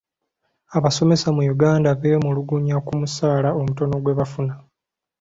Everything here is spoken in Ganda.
Abasomesa mu Uganda beemulugunya ku musaala omutono gwe bafuna.